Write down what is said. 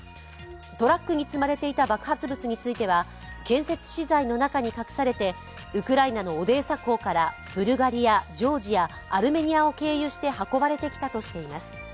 トラックに積まれていた爆発物については建設資材の中に隠されてウクライナのオデーサ港からブルガリア、ジョージア、アルメニアを経由して運ばれてきたとしています。